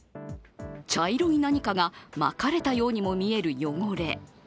茶色い何かがまかれたようにも見える、汚れ。